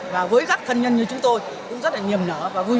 và với các thân nhân như chúng tôi cũng rất là nhiềm nở và vui vẻ